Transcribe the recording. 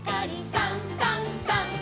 「さんさんさん」